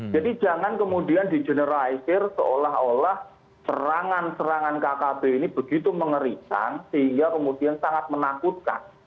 jadi jangan kemudian di generalisir seolah olah serangan serangan kkb ini begitu mengerikan sehingga kemudian sangat menakutkan